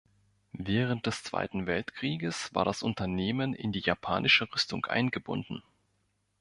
Während des Zweiten Weltkrieges war das Unternehmen in die japanische Rüstung eingebunden.